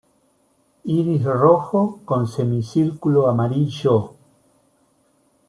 Iris rojo con semicírculo amarillo.